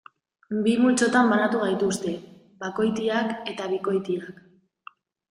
Bi multzotan banatu gaituzte: bakoitiak eta bikoitiak.